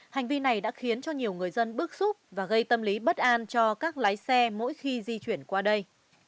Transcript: hành vi này đã khiến cho nhiều người dân bức xúc và gây tâm lý bất an cho các lái xe mỗi khi di chuyển qua đây